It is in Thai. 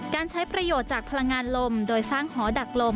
การใช้ประโยชน์จากพลังงานลมโดยสร้างหอดักลม